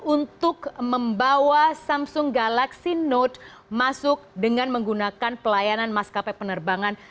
untuk membawa samsung galaxy note masuk dengan menggunakan pelayanan maskapai penerbangan